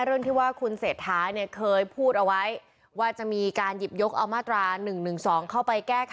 เรื่องที่ว่าคุณเสธาเคยพูดเอาไว้ว่าจะมีการหยิบยกอมตรา๑๑๒